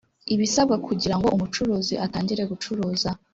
Ibisabwa kugira ngo umucuruzi atangire gucuruza